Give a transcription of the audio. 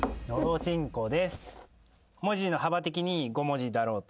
文字の幅的に５文字だろうと。